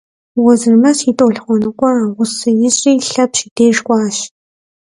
Уэзырмэс и тӏолъхуэныкъуэр гъусэ ищӏри Лъэпщ и деж кӏуащ.